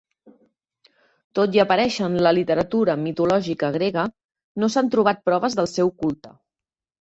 Tot i aparèixer en la literatura mitològica grega, no s'han trobat proves del seu culte.